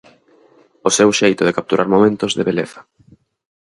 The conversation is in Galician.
O seu xeito de capturar momentos de beleza.